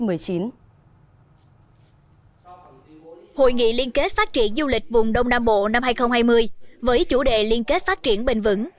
hội nghị liên kết phát triển du lịch vùng đông nam bộ năm hai nghìn hai mươi với chủ đề liên kết phát triển bền vững